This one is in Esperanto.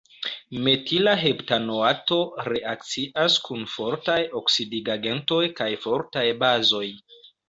Metila heptanoato reakcias kun fortaj oksidigagentoj kaj fortaj bazoj.